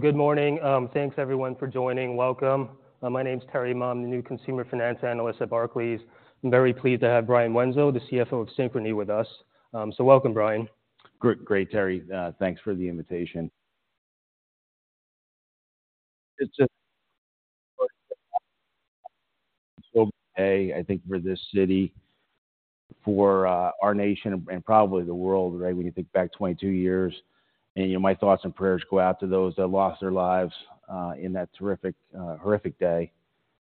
Good morning. Thanks everyone for joining. Welcome. My name is Terry Ma. I'm the new consumer finance analyst at Barclays. I'm very pleased to have Brian Wenzel, the CFO of Synchrony, with us. Welcome, Brian. Great, great, Terry. Thanks for the invitation. It's, I think, for this city, for our nation and probably the world, right? When you think back 22 years. And, you know, my thoughts and prayers go out to those that lost their lives in that terrible, horrific day.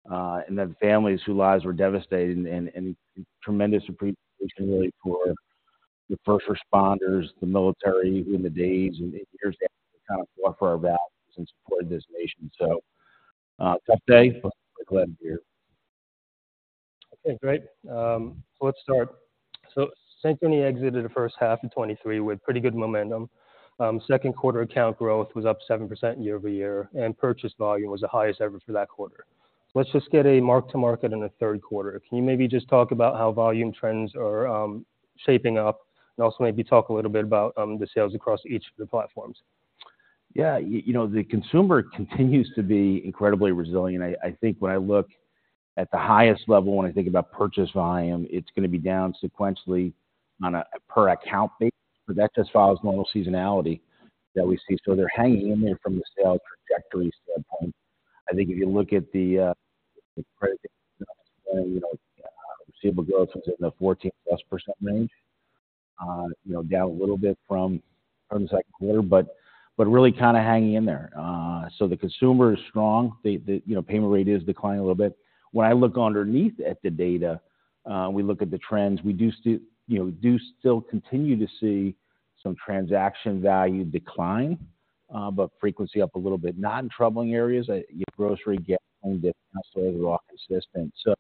And the families whose lives were devastated and tremendous appreciation, really, for the first responders, the military in the days and years to come, for our values and supported this nation. So, tough day. Glad to be here. Okay, great. So let's start. So Synchrony exited the first half of 2023 with pretty good momentum. Second quarter account growth was up 7% year-over-year, and purchase volume was the highest ever for that quarter. Let's just get a mark-to-market in the third quarter. Can you maybe just talk about how volume trends are shaping up and also maybe talk a little bit about the sales across each of the platforms? Yeah, you know, the consumer continues to be incredibly resilient. I think when I look at the highest level, when I think about purchase volume, it's going to be down sequentially on a per account basis, but that just follows normal seasonality that we see. So they're hanging in there from the sales trajectory standpoint. I think if you look at the credit, you know, receivable growth in the 14%+ range, you know, down a little bit from the second quarter, but really kind of hanging in there. So the consumer is strong. The, you know, payment rate is declining a little bit. When I look underneath at the data, we look at the trends, we do, you know, still continue to see some transaction value decline, but frequency up a little bit. Not in troubling areas, I get grocery get consistent. So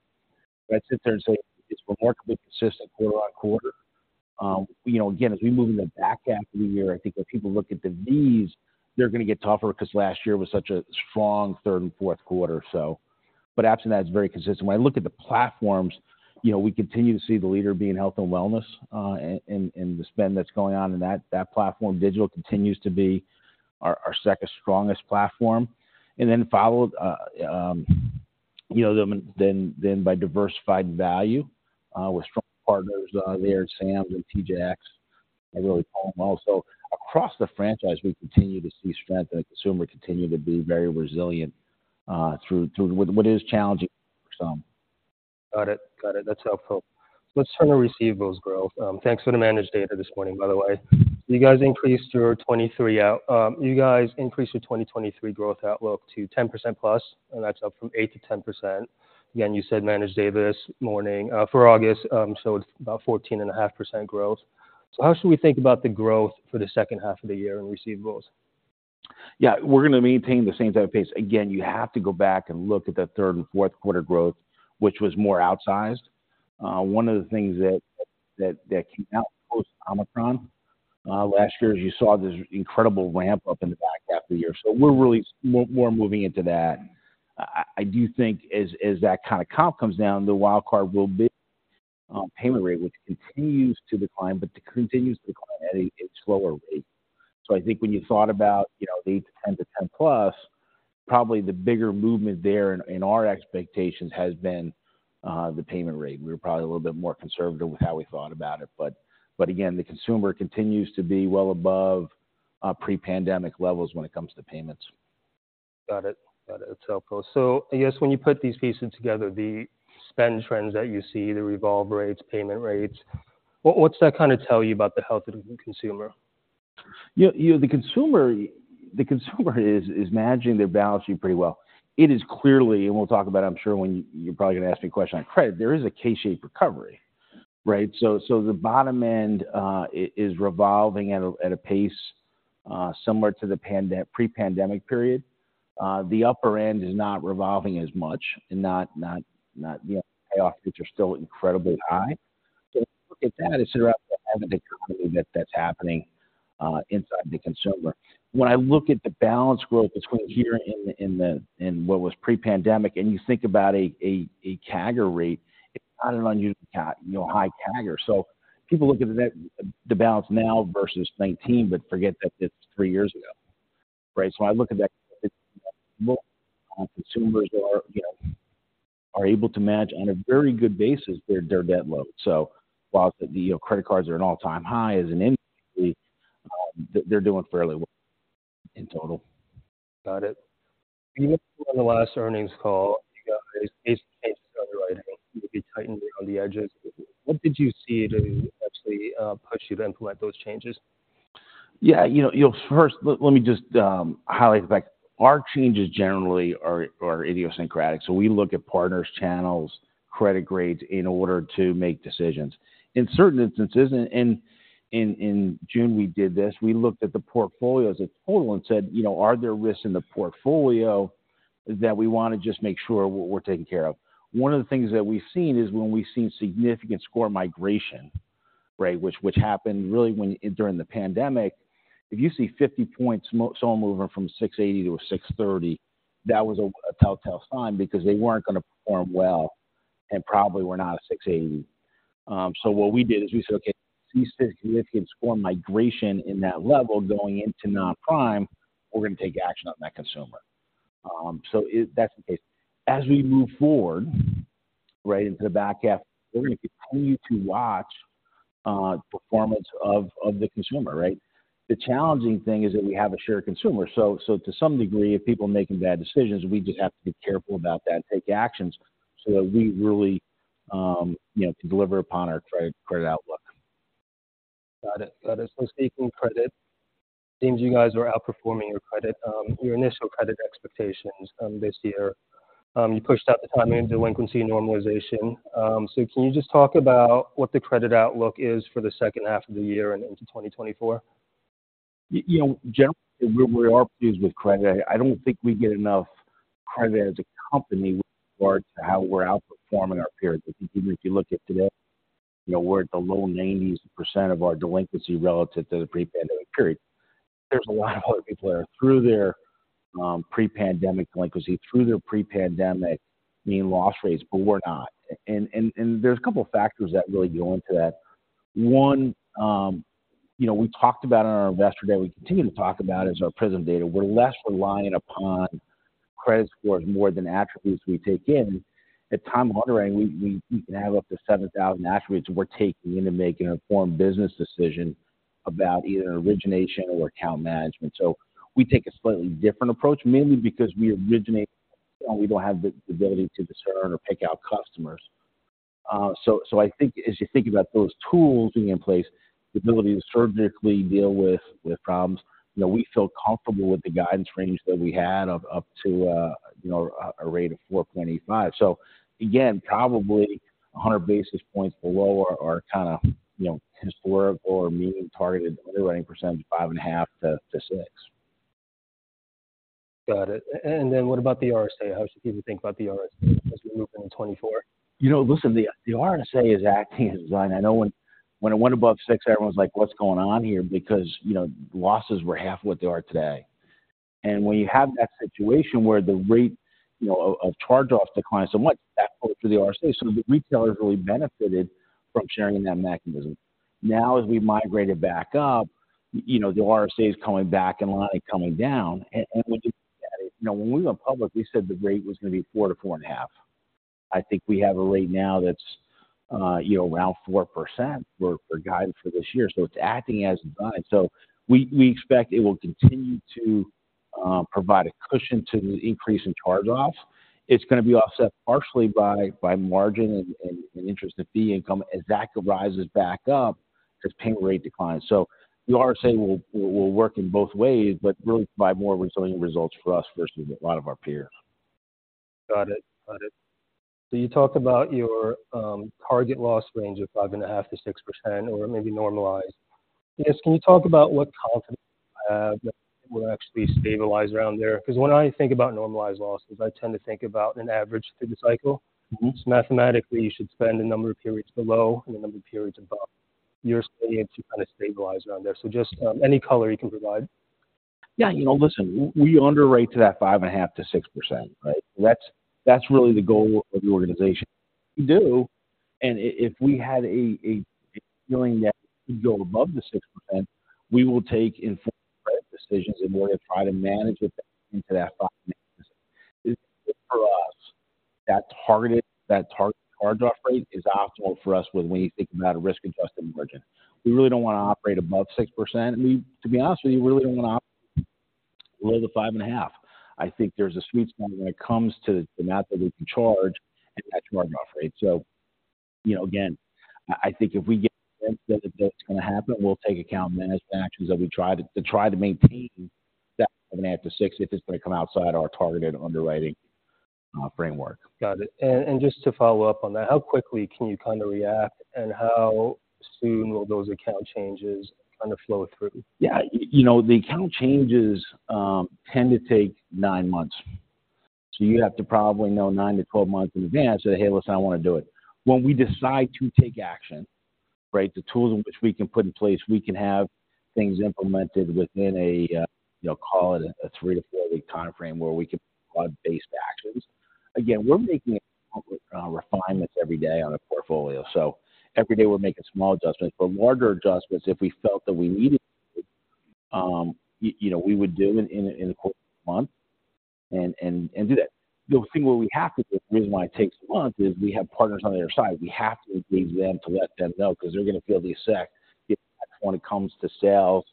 I'd sit there and say it's remarkably consistent quarter-on-quarter. You know, again, as we move into the back half of the year, I think when people look at the these, they're going to get tougher because last year was such a strong third and fourth quarter, so. But absent that, it's very consistent. When I look at the platforms, you know, we continue to see the leader being health and wellness, and, and the spend that's going on in that, that platform. Digital continues to be our, our second strongest platform and then followed, you know, then, then by diversified value, with strong partners, there at Sam's and TJX, I really call them also. Across the franchise, we continue to see strength, and the consumer continue to be very resilient, through what is challenging for some. Got it. Got it. That's helpful. Let's turn to receivables growth. Thanks for the managed data this morning, by the way. You guys increased your 2023 growth outlook to 10%+, and that's up from 8%-10%. Again, you said managed data this morning for August, so it's about 14.5% growth. So how should we think about the growth for the second half of the year in receivables? Yeah, we're going to maintain the same type of pace. Again, you have to go back and look at the third and fourth quarter growth, which was more outsized. One of the things that came out post-Omicron last year, as you saw, this incredible ramp up in the back half of the year. So we're really moving into that. I do think as that kind of comp comes down, the wild card will be payment rate, which continues to decline, but continues to decline at a slower rate. So I think when you thought about, you know, 8%-10% to 10%+, probably the bigger movement there in our expectations has been the payment rate. We were probably a little bit more conservative with how we thought about it, but again, the consumer continues to be well above pre-pandemic levels when it comes to payments. Got it. Got it. It's helpful. So I guess when you put these pieces together, the spend trends that you see, the revolve rates, payment rates, what, what's that kind of tell you about the health of the consumer? You know, the consumer is managing their balance sheet pretty well. It is clear, and we'll talk about, I'm sure, when you're probably going to ask me a question on credit. There is a K-shaped recovery, right? So the bottom end is revolving at a pace similar to the pre-pandemic period. The upper end is not revolving as much and not, you know, payoffs, which are still incredibly high. So look at that and consider the economy that's happening inside the consumer. When I look at the balance growth between here and what was pre-pandemic, and you think about a CAGR rate, it's not an unusual, you know, high CAGR. So people look at the balance now versus 2019, but forget that it's three years ago, right? So I look at that, consumers are, you know, able to manage on a very good basis their debt load. So while the credit cards are at an all-time high as an industry, they're doing fairly well in total. Got it. On the last earnings call, you guys tightened on the edges. What did you see to actually push you to implement those changes? Yeah, you know, first, let me just highlight the fact. Our changes generally are idiosyncratic, so we look at partners, channels, credit grades in order to make decisions. In certain instances, in June, we did this. We looked at the portfolio as a total and said, you know, are there risks in the portfolio that we want to just make sure we're taking care of? One of the things that we've seen is when we've seen significant score migration, right? Which happened really when, during the pandemic. If you see 50 points, so moving from 680 to 630, that was a telltale sign because they weren't going to perform well and probably were not a 680.... So what we did is we said, "Okay, see significant score migration in that level going into non-prime, we're going to take action on that consumer." So that's the case. As we move forward, right, into the back half, we're going to continue to watch performance of the consumer, right? The challenging thing is that we have a shared consumer, so to some degree, if people are making bad decisions, we just have to be careful about that and take actions so that we really, you know, can deliver upon our credit outlook. Got it. Got it. So speaking credit, it seems you guys are outperforming your credit, your initial credit expectations, this year. You pushed out the timing of delinquency normalization. So can you just talk about what the credit outlook is for the second half of the year and into 2024? You know, generally, we are pleased with credit. I don't think we get enough credit as a company with regards to how we're outperforming our peers. Because even if you look at today, you know, we're at the low 90s% of our delinquency relative to the pre-pandemic period. There's a lot of other people that are through their pre-pandemic delinquency, through their pre-pandemic mean loss rates, but we're not. And there's a couple factors that really go into that. One, you know, we talked about on our investor day, we continue to talk about, is our Prism Data. We're less reliant upon credit scores more than attributes we take in. At underwriting, we can have up to 7,000 attributes we're taking in to make an informed business decision about either origination or account management. So we take a slightly different approach, mainly because we originate, and we don't have the ability to discern or pick out customers. So I think as you think about those tools being in place, the ability to surgically deal with problems, you know, we feel comfortable with the guidance range that we had of up to a rate of 4.85%. So again, probably 100 basis points below our kind of historic or mean targeted underwriting percentage, 5.5%-6%. Got it. And then what about the RSA? How does it make you think about the RSA as we move into 2024? You know, listen, the RSA is acting as designed. I know when it went above 6%, everyone's like: What's going on here? Because, you know, losses were half what they are today. And when you have that situation where the rate, you know, of charge-off declines so much that through the RSA, so the retailers really benefited from sharing in that mechanism. Now, as we migrate it back up, you know, the RSA is coming back in line, coming down. And when you look at it, you know, when we went public, we said the rate was going to be 4%-4.5%. I think we have a rate now that's, you know, around 4% for guidance for this year. So it's acting as designed. So we expect it will continue to provide a cushion to the increase in charge-offs. It's going to be offset partially by margin and interest and fee income as that rises back up, as payment rate declines. So the RSA will work in both ways, but really provide more resilient results for us versus a lot of our peers. Got it. Got it. So you talked about your target loss range of 5.5%-6% or maybe normalized. I guess, can you talk about what confidence you have that will actually stabilize around there? Because when I think about normalized losses, I tend to think about an average through the cycle. So mathematically, you should spend a number of periods below and a number of periods above. You're saying it's kind of stabilized around there. So just, any color you can provide. Yeah, you know, listen, we underwrite to that 5.5%-6%, right? That's really the goal of the organization. We do, and if we had a feeling that we go above the 6%, we will take informed credit decisions in order to try to manage it back into that five range. For us, that target charge-off rate is optimal for us when we think about a risk-adjusted margin. We really don't want to operate above 6%, and we, to be honest with you, really don't want to operate below the 5.5%. I think there's a sweet spot when it comes to the amount that we can charge and that charge-off rate. So, you know, again, I think if we get a sense that that's going to happen, we'll take account management actions that we try to, to try to maintain that 5.5%-6%, if it's going to come outside our targeted underwriting framework. Got it. And just to follow up on that, how quickly can you kind of react, and how soon will those account changes kind of flow through? Yeah, you know, the account changes tend to take nine months. So you have to probably know 9-12 months in advance and say, "Hey, listen, I want to do it." When we decide to take action, right, the tools in which we can put in place, we can have things implemented within a, you know, call it a three-four week time frame where we can take based actions. Again, we're making refinements every day on a portfolio, so every day we're making small adjustments. But larger adjustments, if we felt that we needed to, you know, we would do in a course of a month and do that. The thing where we have to do, the reason why it takes a month, is we have partners on the other side. We have to engage them to let them know, because they're going to feel the effect when it comes to sales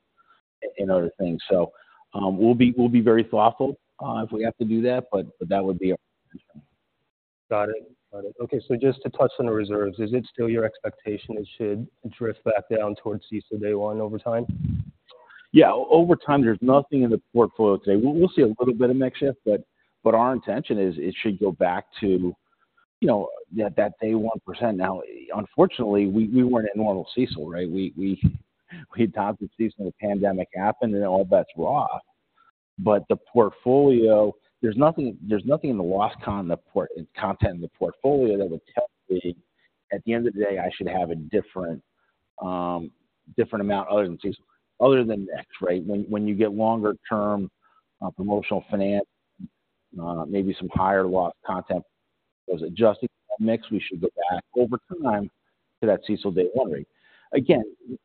and other things. So, we'll be very thoughtful if we have to do that, but that would be our intention. Got it. Got it. Okay, so just to touch on the reserves, is it still your expectation it should drift back down towards CECL day one over time? Yeah, over time, there's nothing in the portfolio today. We'll see a little bit of mix shift, but our intention is it should go back to, you know, yeah, that day one percent. Now, unfortunately, we weren't in normal CECL, right? We topped the CECL, the pandemic happened, and then all bets were off. But the portfolio, there's nothing in the loss content in the portfolio that would tell me, at the end of the day, I should have a different amount other than CECL, other than FX rate. When you get longer-term promotional financing, maybe some higher loss content was adjusted. Next, we should go back over time to that CECL day one rate. Again,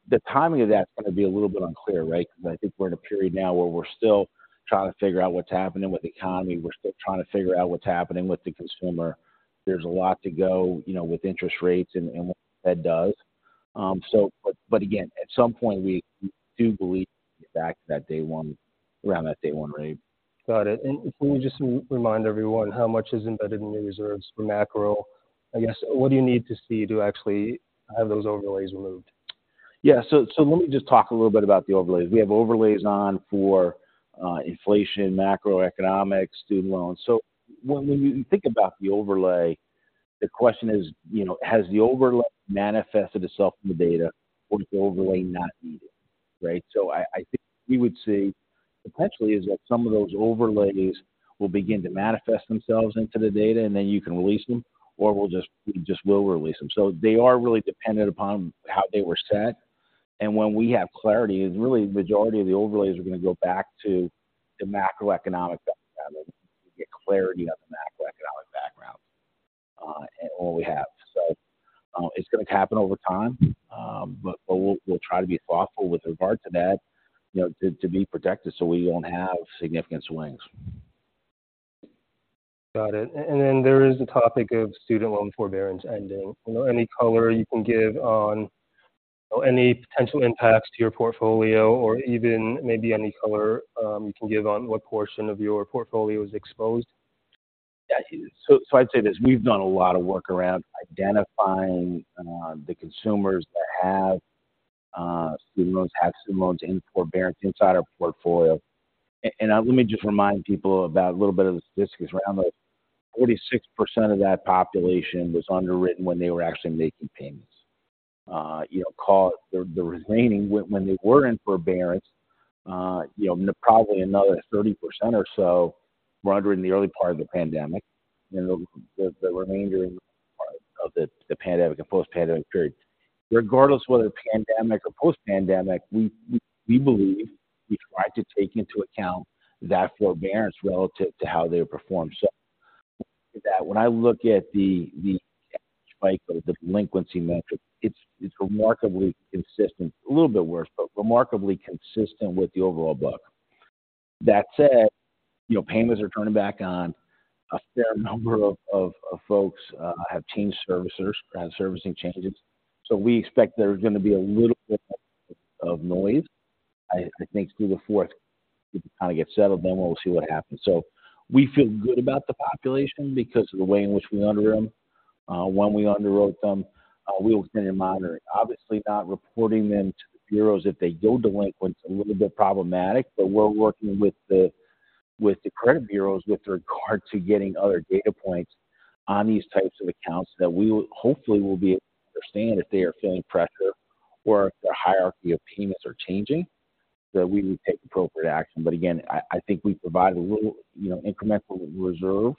the timing of that is going to be a little bit unclear, right? Because I think we're in a period now where we're still trying to figure out what's happening with the economy. We're still trying to figure out what's happening with the consumer. There's a lot to go, you know, with interest rates and, and what that does. But, but again, at some point, we do believe back to that day one, around that day one rate. Got it. Can you just remind everyone how much is embedded in the reserves for macro? I guess, what do you need to see to actually have those overlays removed? Yeah, so let me just talk a little bit about the overlays. We have overlays on for inflation, macroeconomics, student loans. So when you think about the overlay, the question is, you know, has the overlay manifested itself in the data, or is the overlay not needed, right? So I think we would see potentially is that some of those overlays will begin to manifest themselves into the data, and then you can release them, or we'll just we'll release them. So they are really dependent upon how they were set. And when we have clarity, is really the majority of the overlays are going to go back to the macroeconomic background, get clarity on the macroeconomic background, and what we have. So, it's going to happen over time, but we'll try to be thoughtful with regard to that, you know, to be protected so we won't have significant swings. Got it. And then there is the topic of student loan forbearance ending. You know, any color you can give on any potential impacts to your portfolio or even maybe any color you can give on what portion of your portfolio is exposed? Yeah. So I'd say this, we've done a lot of work around identifying the consumers that have student loans, have student loans in forbearance inside our portfolio. And let me just remind people about a little bit of the statistics around it. 46% of that population was underwritten when they were actually making payments. You know, call the remaining, when they were in forbearance, you know, probably another 30% or so were underwritten in the early part of the pandemic, you know, the remainder of the pandemic and post-pandemic period. Regardless of whether pandemic or post-pandemic, we believe we try to take into account that forbearance relative to how they performed. So when I look at the spike or the delinquency metric, it's remarkably consistent, a little bit worse, but remarkably consistent with the overall book. That said, you know, payments are turning back on. A fair number of folks have changed servicers, had servicing changes, so we expect there's going to be a little bit of noise. I think through the fourth, kind of get settled, then we'll see what happens. So we feel good about the population because of the way in which we underwrite them. When we underwrote them, we will continue monitoring. Obviously, not reporting them to the bureaus if they go delinquent, a little bit problematic, but we're working with the, with the credit bureaus with regard to getting other data points on these types of accounts that we will hopefully will be able to understand if they are feeling pressure or if their hierarchy of payments are changing, so we would take appropriate action. But again, I, I think we provide a little, you know, incremental reserve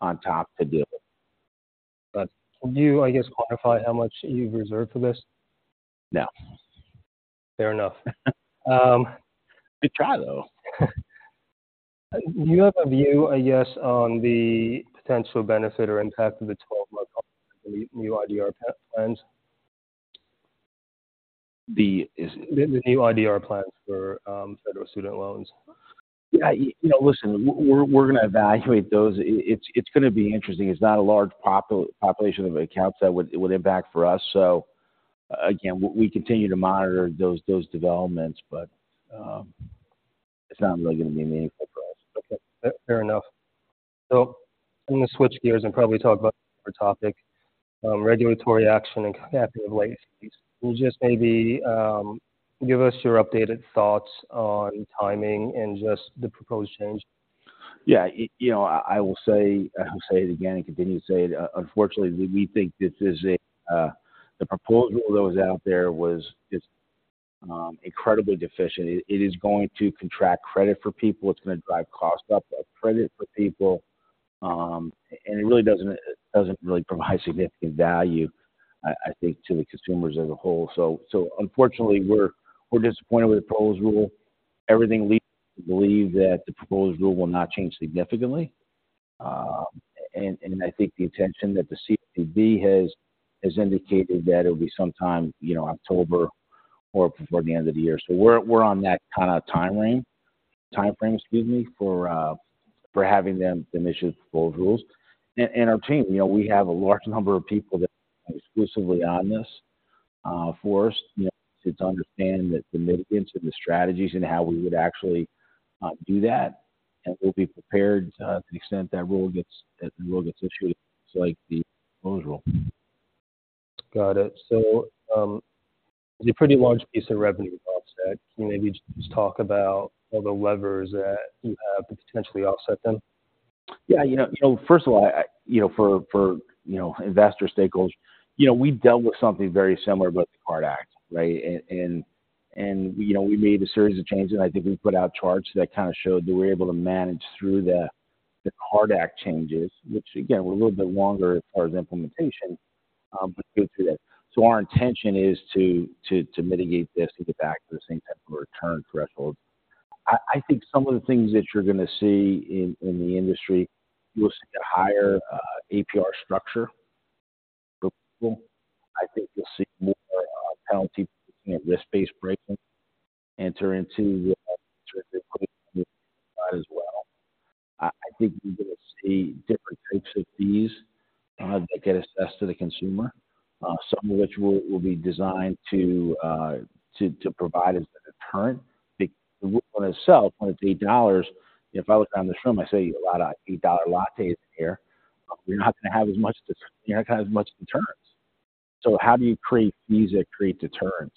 on top to do it. Would you, I guess, quantify how much you've reserved for this? No. Fair enough. Good try, though. Do you have a view, I guess, on the potential benefit or impact of the 12-month new IDR plans? The is... The new IDR plans for federal student loans. Yeah, you know, listen, we're going to evaluate those. It's going to be interesting. It's not a large population of accounts that would impact for us. So again, we continue to monitor those developments, but it's not really going to be meaningful for us. Okay, fair enough. So I'm going to switch gears and probably talk about our topic, regulatory action and competitive licenses. Will you just maybe, give us your updated thoughts on timing and just the proposed change? Yeah, you know, I will say, I'll say it again and continue to say it. Unfortunately, we think this is a the proposal that was out there was just incredibly deficient. It is going to contract credit for people. It's going to drive costs up of credit for people. And it really doesn't, it doesn't really provide significant value, I think, to the consumers as a whole. So unfortunately, we're disappointed with the proposed rule. Everything leads me to believe that the proposed rule will not change significantly. And I think the intention that the CFPB has indicated that it will be sometime, you know, October or before the end of the year. So we're on that kind of timeline, timeframe, excuse me, for having them initiate the proposed rules. Our team, you know, we have a large number of people that are exclusively on this for us, you know, to understand the mitigants and the strategies and how we would actually do that. We'll be prepared to the extent that the rule gets issued, it's like the proposed rule. Got it. So, it's a pretty large piece of revenue offset. Can you maybe just talk about the levers that you have to potentially offset them? Yeah, you know, first of all, you know, for investor stakeholders, you know, we've dealt with something very similar with the Card Act, right? And you know, we made a series of changes, and I think we put out charts that kind of showed that we're able to manage through the Card Act changes, which, again, were a little bit longer as far as implementation. But go through that. So our intention is to mitigate this to get back to the same type of return threshold. I think some of the things that you're going to see in the industry, you'll see a higher APR structure for people. I think you'll see more penalty, risk-based pricing enter into the equation as well. I think you're going to see different types of fees that get assessed to the consumer, some of which will be designed to provide a deterrent. Because the rule on itself, when it's eight dollars, if I look down this room, I see a lot of eight-dollar lattes in here. You're not going to have as much deterrence. So how do you create fees that create deterrence?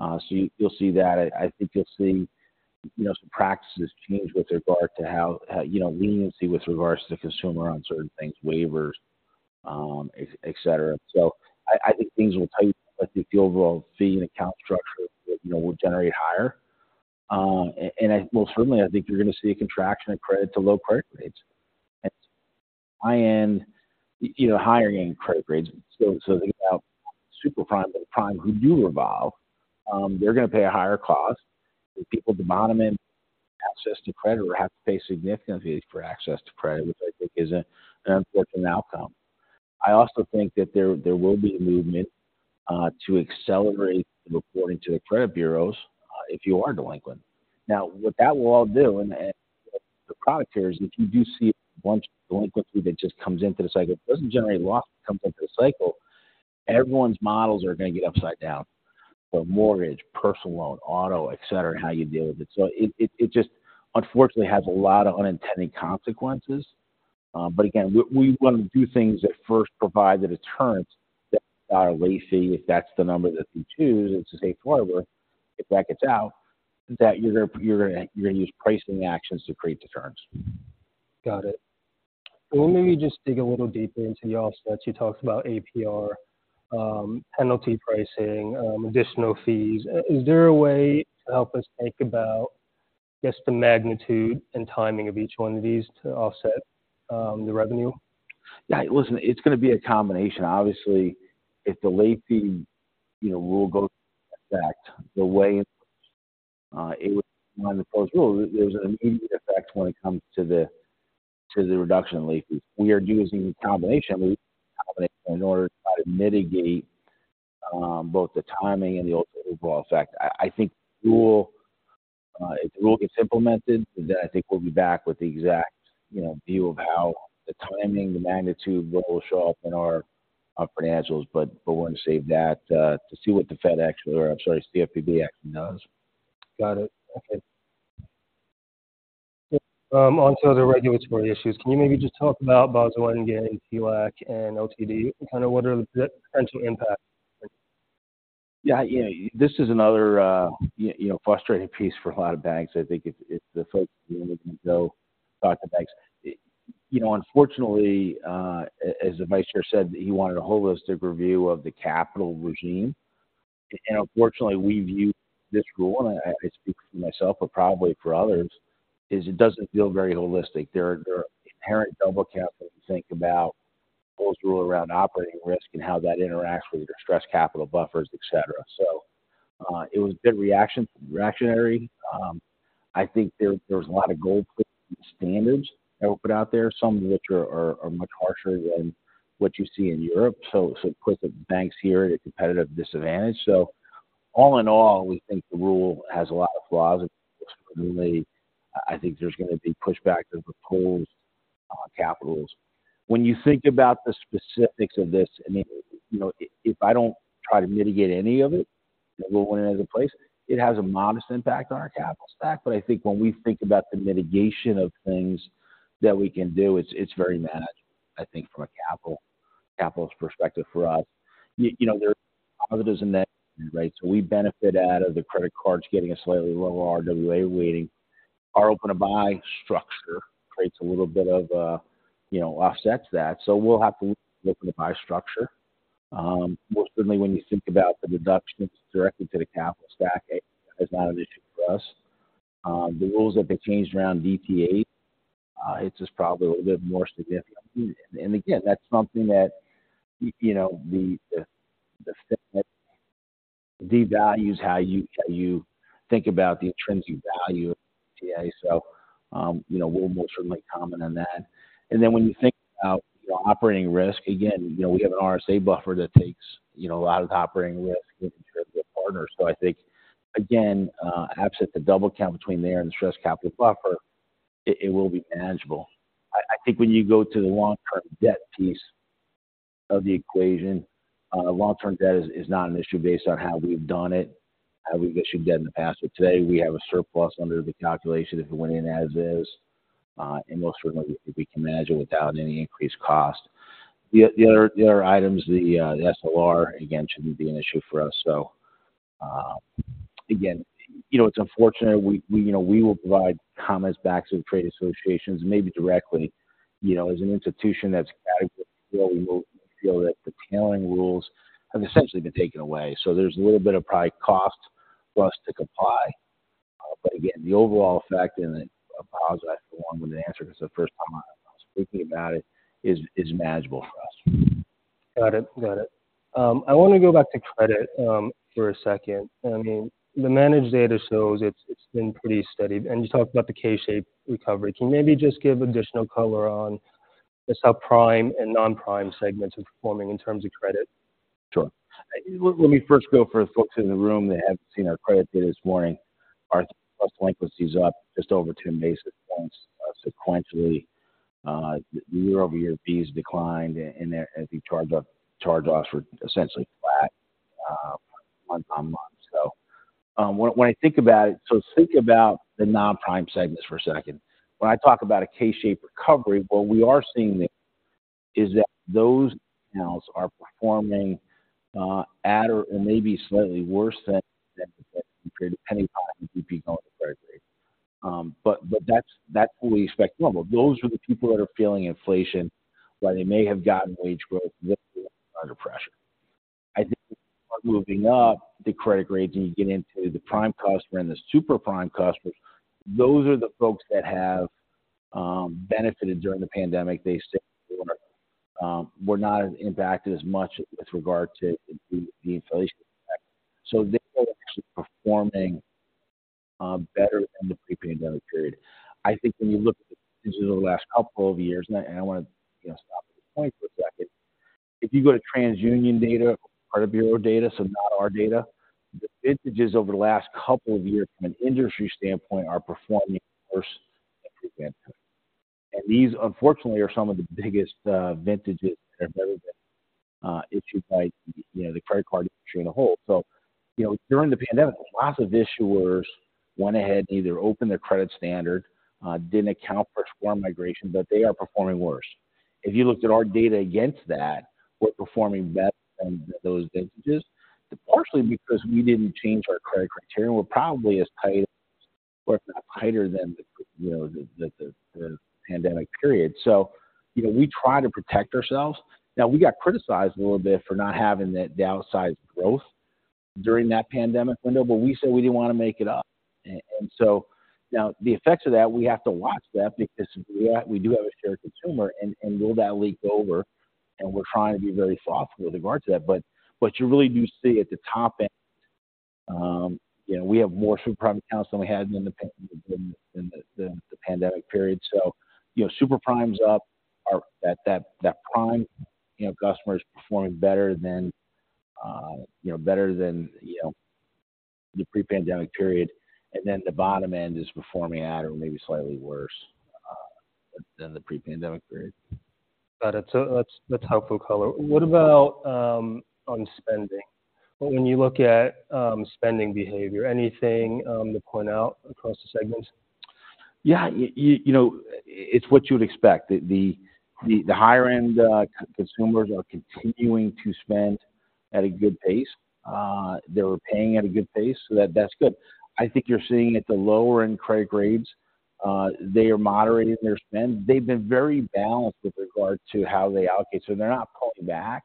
So you'll see that. I think you'll see, you know, some practices change with regard to how, you know, leniency with regards to consumer on certain things, waivers, et cetera. So I think things will tighten, but I think the overall fee and account structure, you know, will generate higher. I most certainly think you're going to see a contraction of credit to low credit rates. And high-end, you know, higher-end credit rates. So think about super prime and prime, who do revolve, they're going to pay a higher cost. The people at the bottom end, access to credit, or have to pay significantly for access to credit, which I think is an unfortunate outcome. I also think that there will be a movement to accelerate reporting to the credit bureaus, if you are delinquent. Now, what that will all do, and the product here is if you do see a bunch of delinquency that just comes into the cycle, it doesn't generate loss, it comes into the cycle, everyone's models are going to get upside down. So mortgage, personal loan, auto, et cetera, how you deal with it. So it just unfortunately has a lot of unintended consequences. But again, we want to do things that first provide the deterrence, that are late fee, if that's the number that you choose, it's a safe harbor. If that gets out, that you're going to use pricing actions to create deterrence. Got it. Well, maybe just dig a little deeper into the offsets. You talked about APR, penalty pricing, additional fees. Is there a way to help us think about just the magnitude and timing of each one of these to offset the revenue? Yeah, listen, it's going to be a combination. Obviously, if the late fee, you know, rule goes into effect, the way it was proposed, well, there's an immediate effect when it comes to the reduction in late fees. We are using a combination. We're using a combination in order to try to mitigate both the timing and the overall effect. I think if the rule gets implemented, then I think we'll be back with the exact, you know, view of how the timing, the magnitude will show up in our financials. But we're going to save that to see what the Fed actually, or I'm sorry, CFPB actually does. Got it. Okay. Onto other regulatory issues. Can you maybe just talk about Basel I and II, CCULAC, and OTD, and kind of what are the potential impacts? Yeah, yeah. This is another, you know, frustrating piece for a lot of banks. I think the folks, you know, talk to banks. You know, unfortunately, as the Vice Chair said, he wanted a holistic review of the capital regime. Unfortunately, we view this rule, and I speak for myself, but probably for others, it doesn't feel very holistic. There are inherent double count when you think about rules around operational risk and how that interacts with your stress capital buffers, et cetera. So, it was a bit reactionary. I think there was a lot of gold standards that were put out there, some of which are much harsher than what you see in Europe, so it puts the banks here at a competitive disadvantage. So all in all, we think the rule has a lot of flaws. Extremely, I think there's going to be pushback to the proposed capitals. When you think about the specifics of this, I mean, you know, if I don't try to mitigate any of it, it will win as a place. It has a modest impact on our capital stack, but I think when we think about the mitigation of things that we can do, it's very manageable, I think, from a capital, capitalist perspective for us. You know, there are positives and negatives, right? So we benefit out of the credit cards getting a slightly lower RWA rating. Our open-to-buy structure creates a little bit of, you know, offsets that. So we'll have to look at the buy structure. Most certainly, when you think about the deductions directly to the capital stack, it's not an issue for us. The rules that they changed around DTA, it's just probably a little bit more significant. And again, that's something that, you know, devalues how you think about the intrinsic value of DTA. So, you know, we'll most certainly comment on that. And then when you think about the operating risk, again, you know, we have an RSA buffer that takes, you know, a lot of the operating risk with the partners. So I think, again, absent the double count between there and the stress capital buffer, it will be manageable. I think when you go to the long-term debt piece of the equation, long-term debt is not an issue based on how we've done it, how we've issued debt in the past. But today, we have a surplus under the calculation if it went in as is, and most certainly we can manage it without any increased cost. The other items, the SLR, again, shouldn't be an issue for us. So, again, you know, it's unfortunate. We, you know, we will provide comments back to the trade associations, maybe directly. You know, as an institution, that's how we feel, we feel that the tailoring rules have essentially been taken away. So there's a little bit of probably cost for us to comply. But again, the overall effect, and I apologize, I feel long with the answer, because it's the first time I'm speaking about it, is manageable for us. Got it. Got it. I want to go back to credit, for a second. I mean, the managed data shows it's, it's been pretty steady, and you talked about the K-shaped recovery. Can you maybe just give additional color on just how prime and non-prime segments are performing in terms of credit? Sure. Let me first go for the folks in the room that haven't seen our credit data this morning. Our delinquencies are up just over two basis points sequentially. Year-over-year fees declined, and the charge-offs were essentially flat month-on-month. So think about the non-prime segments for a second. When I talk about a K-shaped recovery, what we are seeing there is that those accounts are performing at or maybe slightly worse than the period, depending upon the credit grade. But that's what we expect normal. Those are the people that are feeling inflation. While they may have gotten wage growth, under pressure. I think moving up the credit grades, and you get into the prime customer and the super prime customers, those are the folks that have benefited during the pandemic. They still were not impacted as much with regard to the inflation. So they were actually performing better than the pre-pandemic period. I think when you look at the last couple of years, and I want to stop the point for a second. If you go to TransUnion data, part of Bureau data, so not our data, the vintages over the last couple of years from an industry standpoint, are performing worse. And these, unfortunately, are some of the biggest vintages that have ever been issued by the, you know, the credit card industry as a whole. So, you know, during the pandemic, lots of issuers went ahead and either opened their credit standard, didn't account for storm migration, but they are performing worse. If you looked at our data against that, we're performing better than those vintages, partially because we didn't change our credit criteria. We're probably as tight, or if not tighter than the, you know, the pandemic period. So, you know, we try to protect ourselves. Now, we got criticized a little bit for not having that downsized growth during that pandemic window, but we said we didn't want to make it up. And so now the effects of that, we have to watch that because we do have a shared consumer, and will that leak over? And we're trying to be very thoughtful with regard to that. But what you really do see at the top end, you know, we have more super prime accounts than we had in the pandemic period. So, you know, super prime's up. That prime, you know, customer is performing better than, you know, better than, you know, the pre-pandemic period. And then the bottom end is performing at or maybe slightly worse than the pre-pandemic period. Got it. So that's, that's helpful color. What about, on spending? When you look at, spending behavior, anything, to point out across the segments? Yeah, you know, it's what you would expect. The higher-end consumers are continuing to spend at a good pace. They were paying at a good pace, so that's good. I think you're seeing at the lower-end credit grades, they are moderating their spend. They've been very balanced with regard to how they allocate. So they're not pulling back,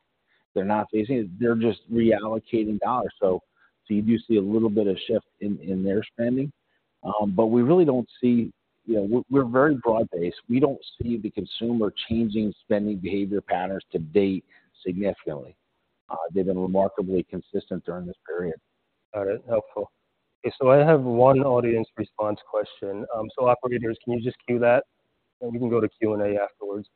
they're not facing it, they're just reallocating dollars. So you do see a little bit of shift in their spending, but we really don't see... You know, we're very broad-based. We don't see the consumer changing spending behavior patterns to date significantly. They've been remarkably consistent during this period. Got it. Helpful. I have one audience response question. Operators, can you just queue that? We can go to Q&A afterwards.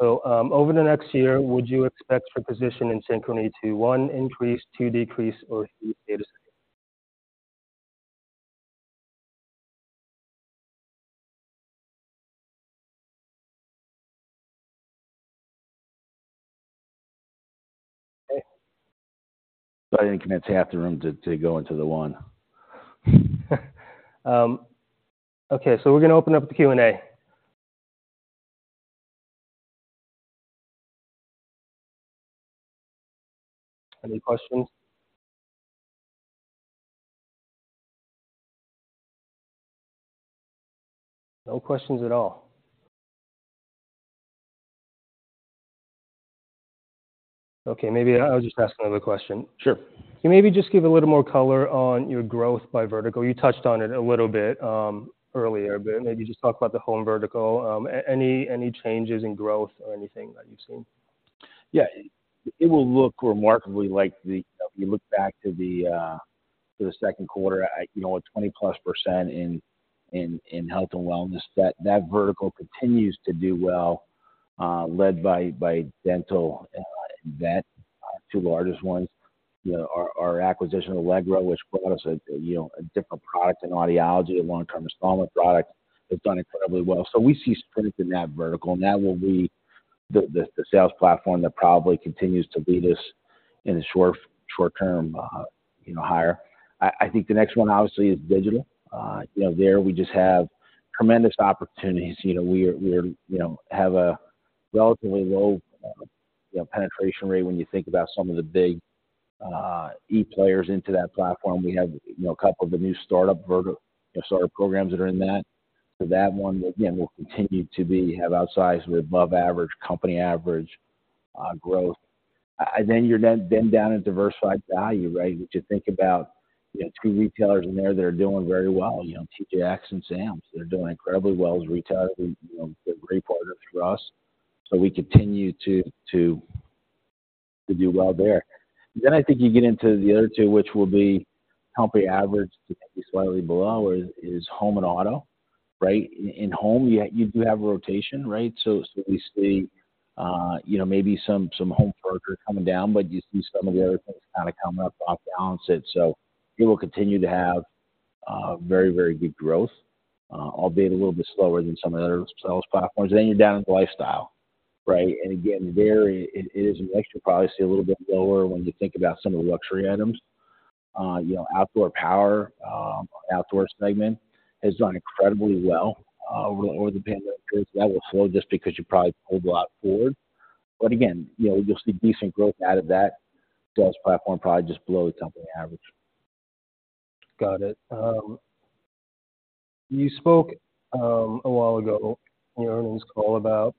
Over the next year, would you expect your position in Synchrony to, one, increase, two, decrease, or stay the same? I didn't convince half the room to go into the one. Okay, so we're going to open up the Q&A. Any questions? No questions at all. Okay, maybe I'll just ask another question. Sure. Can maybe just give a little more color on your growth by vertical. You touched on it a little bit, earlier, but maybe just talk about the home vertical. Any changes in growth or anything that you've seen? Yeah. It will look remarkably like the... If you look back to the second quarter, you know, at 20%+ in health and wellness, that vertical continues to do well, led by dental and the two largest ones. You know, our acquisition, Allegro, which brought us a different product in audiology, a long-term installment product, has done incredibly well. So we see strength in that vertical, and that will be the sales platform that probably continues to lead us in the short term, you know, higher. I think the next one, obviously, is digital. You know, there we just have tremendous opportunities. You know, we have a relatively low penetration rate when you think about some of the big e-players into that platform. We have, you know, a couple of the new startup programs that are in that. So that one, again, will continue to be, have outsized with above average, company average growth. And then you're down at diversified value, right? If you think about, you have two retailers in there that are doing very well, you know, TJX and Sam's. They're doing incredibly well as retailers. You know, they're great partners for us, so we continue to do well there. Then I think you get into the other two, which will be company average, to maybe slightly below, is home and auto, right? In home, you do have a rotation, right? So we see, you know, maybe some home furniture coming down, but you see some of the other things kind of coming up to offset. So it will continue to have very, very good growth, albeit a little bit slower than some of the other sales platforms. Then you're down to lifestyle, right? And again, there, it'll probably see a little bit lower when you think about some of the luxury items. You know, outdoor power, outdoor segment has done incredibly well over the pandemic period. That will slow just because you probably pulled a lot forward. But again, you know, you'll see decent growth out of that sales platform, probably just below the company average. Got it. You spoke a while ago, in your earnings call about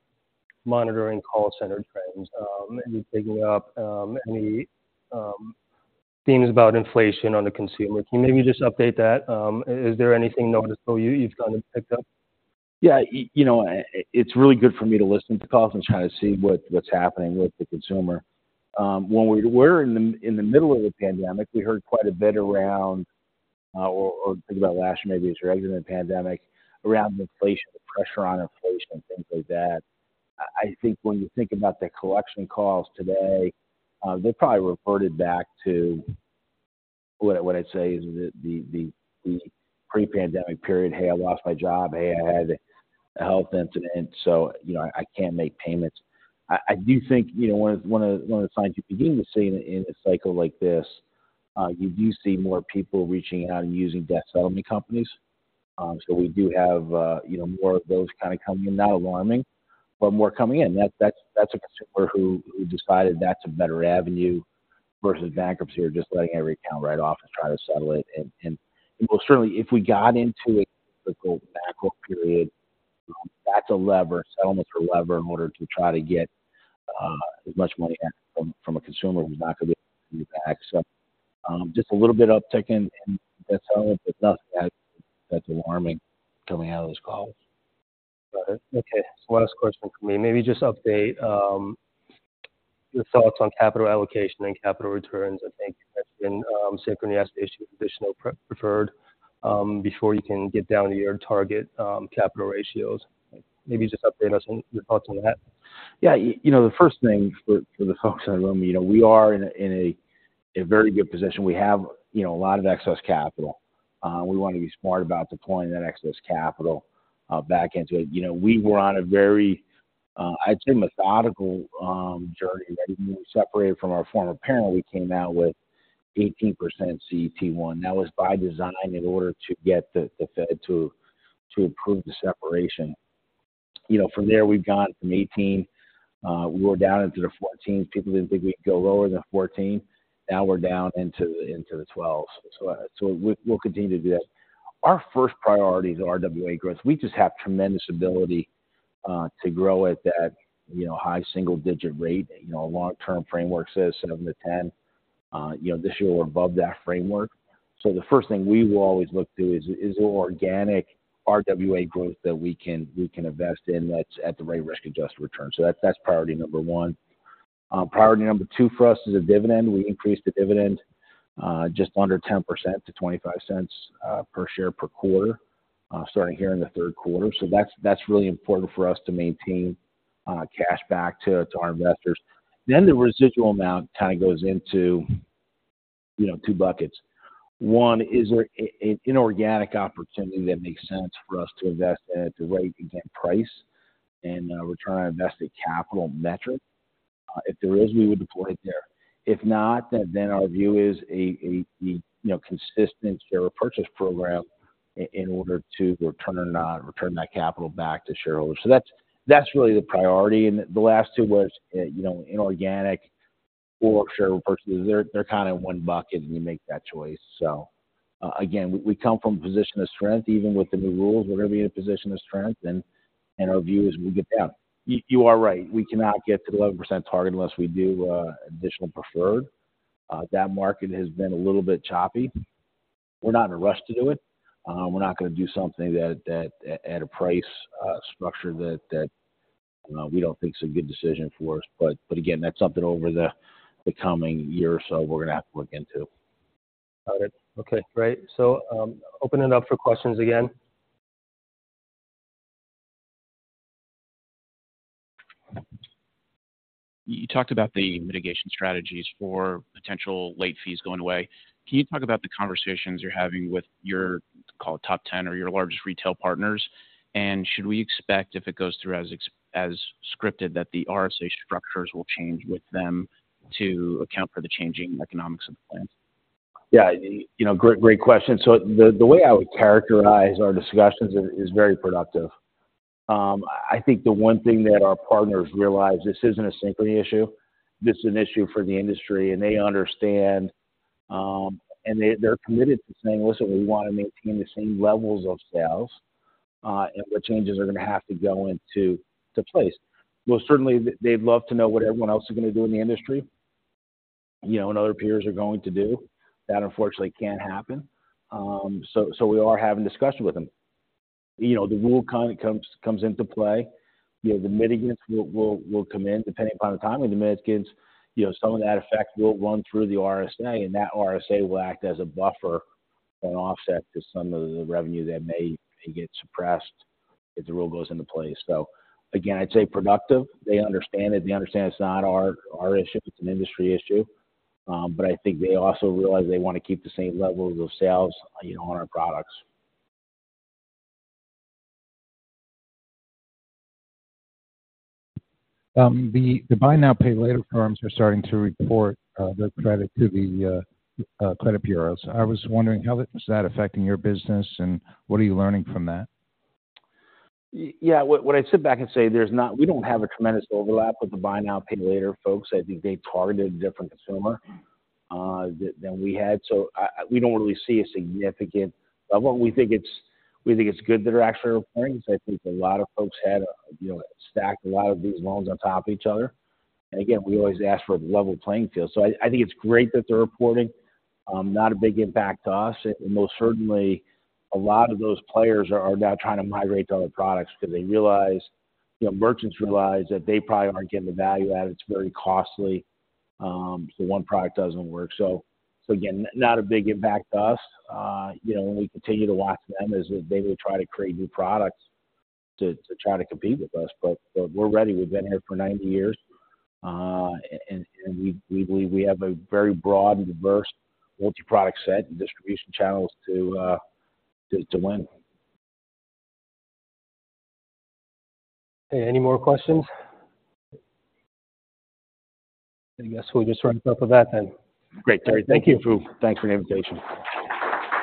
monitoring call center trends, and you picking up any themes about inflation on the consumer. Can you maybe just update that? Is there anything noticeable you've kind of picked up? Yeah, you know, it's really good for me to listen to calls and try to see what's happening with the consumer. When we were in the middle of the pandemic, we heard quite a bit around, or think about last year, maybe it's regular pandemic, around inflation, the pressure on inflation and things like that. I think when you think about the collection calls today, they probably reverted back to what I'd say is the pre-pandemic period. Hey, I lost my job. Hey, I had a health incident, so, you know, I can't make payments. I do think, you know, one of the signs you begin to see in a cycle like this, you do see more people reaching out and using debt settlement companies. So we do have, you know, more of those kind of coming in, not alarming, but more coming in. That's a consumer who decided that's a better avenue versus bankruptcy or just letting every account write off and try to settle it. And most certainly, if we got into a typical backlog period, that's a lever, settlements are a lever in order to try to get as much money as from a consumer who's not going to be back. So just a little bit uptick in debt settlement, but nothing that's alarming coming out of those calls. Got it. Okay, so last question for me. Maybe just update your thoughts on capital allocation and capital returns. I think that's been Synchrony has to issue additional preferred before you can get down to your target capital ratios. Maybe just update us on your thoughts on that. Yeah, you know, the first thing for the folks in the room, you know, we are in a very good position. We have, you know, a lot of excess capital. We want to be smart about deploying that excess capital back into it. You know, we were on a very, I'd say, methodical journey. When we separated from our former parent, we came out with 18% CET1. That was by design in order to get the Fed to approve the separation. You know, from there, we've gone from 18, we're down into the 14s. People didn't think we'd go lower than 14. Now we're down into the 12s. So, we'll continue to do that. Our first priority is RWA growth. We just have tremendous ability to grow at that, you know, high single-digit rate. You know, our long-term framework says 7-10. You know, this year we're above that framework. So the first thing we will always look to is there organic RWA growth that we can invest in that's at the right risk-adjusted return? So that's priority number one. Priority number two for us is a dividend. We increased the dividend just under 10% to $0.25 per share per quarter starting here in the third quarter. So that's really important for us to maintain cash back to our investors. Then the residual amount kind of goes into, you know, two buckets. One, is there an inorganic opportunity that makes sense for us to invest at the right price and return on invested capital metric? If there is, we would deploy it there. If not, then our view is, you know, a consistent share repurchase program in order to return that capital back to shareholders. So that's really the priority. And the last two was, you know, inorganic or share repurchase. They're kind of one bucket, and you make that choice. So again, we come from a position of strength, even with the new rules, we're going to be in a position of strength, and our view is we get that. You are right, we cannot get to the 11% target unless we do additional preferred. That market has been a little bit choppy. We're not in a rush to do it. We're not going to do something that at a price structure that we don't think is a good decision for us. But again, that's something over the coming year or so we're going to have to look into. Got it. Okay, great. So, opening it up for questions again. You talked about the mitigation strategies for potential late fees going away. Can you talk about the conversations you're having with your, call it, top 10 or your largest retail partners? Should we expect, if it goes through as scripted, that the RSA structures will change with them to account for the changing economics of the plan? Yeah, you know, great, great question. So the way I would characterize our discussions is very productive. I think the one thing that our partners realize, this isn't a Synchrony issue. This is an issue for the industry, and they understand, and they, they're committed to saying, "Listen, we want to maintain the same levels of sales."... and what changes are going to have to go into place. Well, certainly they'd love to know what everyone else is going to do in the industry, you know, and other peers are going to do. That unfortunately, can't happen. so we are having discussion with them. You know, the rule kind of comes into play. You know, the mitigants will come in, depending upon the timing of the mitigants, you know, some of that effect will run through the RSA, and that RSA will act as a buffer and offset to some of the revenue that may get suppressed if the rule goes into place. So again, I'd say productive. They understand it. They understand it's not our issue, it's an industry issue. But I think they also realize they want to keep the same level of sales, you know, on our products. The buy now, pay later firms are starting to report their credit to the credit bureaus. I was wondering, how is that affecting your business, and what are you learning from that? Yeah, what I'd sit back and say, there's not, we don't have a tremendous overlap with the buy now, pay later folks. I think they targeted a different consumer than we had, so we don't really see a significant. But what we think it's, we think it's good that they're actually reporting. So I think a lot of folks had, you know, stacked a lot of these loans on top of each other. And again, we always ask for a level playing field. So I think it's great that they're reporting, not a big impact to us. And most certainly, a lot of those players are now trying to migrate to other products because they realize, you know, merchants realize that they probably aren't getting the value out of it. It's very costly, so one product doesn't work. So again, not a big impact to us. You know, we continue to watch them as they will try to create new products to try to compete with us. But we're ready. We've been here for 90 years. And we believe we have a very broad and diverse multi-product set and distribution channels to win. Any more questions? I guess we'll just wrap it up with that then. Great, Terry. Thank you. Thanks for the invitation.